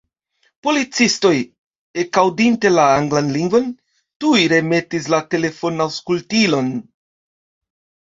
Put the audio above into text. Policistoj, ekaŭdinte la anglan lingvon, tuj remetis la telefonaŭskultilon.